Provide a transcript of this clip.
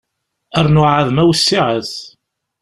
Rnu ɛad ma wessiɛet.